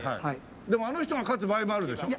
でもあの人が勝つ場合もあるでしょ？